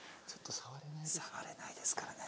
触れないですからね。